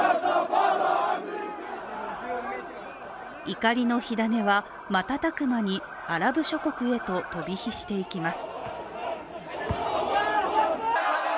怒りの火種は瞬く間にアラブ諸国へと飛び火していきます。